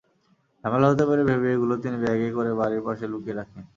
ঝামেলা হতে পারে ভেবে এগুলো তিনি ব্যাগে করে বাড়ির পাশে লুকিয়ে রাখেন।